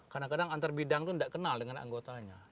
kadang kadang antar bidang itu tidak kenal dengan anggotanya